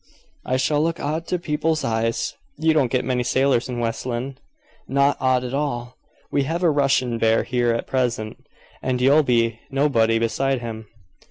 "I shall look odd to people's eyes. You don't get many sailors in West Lynne." "Not odd at all. We have a Russian bear here at present, and you'll be nobody beside him."